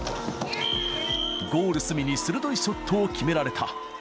ゴール隅に鋭いショットを決められた。